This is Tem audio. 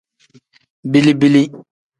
Bili-bili.